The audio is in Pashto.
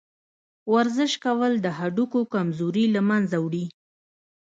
ورزش کول د هډوکو کمزوري له منځه وړي.